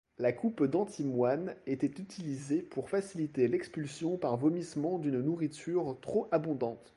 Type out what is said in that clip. La coupe d'antimoine était utilisée pour faciliter l'expulsion par vomissement d'une nourriture trop abondante.